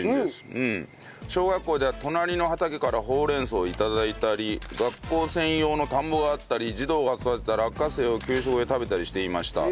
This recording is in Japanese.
小学校では隣の畑からほうれん草を頂いたり学校専用の田んぼがあったり児童が育てた落花生を給食で食べたりしていました。